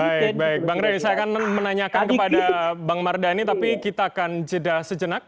baik baik bang rey saya akan menanyakan kepada bang mardhani tapi kita akan jeda sejenak